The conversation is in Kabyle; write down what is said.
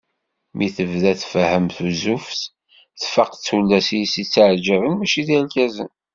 Mi tebda tfehhem tuzzuft, tfaq d tullas i as-yetteεjaben mačči d irgazen.